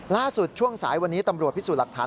ช่วงสายวันนี้ตำรวจพิสูจน์หลักฐาน